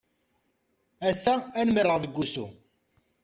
Ass-a nmerreɣ deg usu.